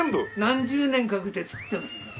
何十年かけて作ってますので。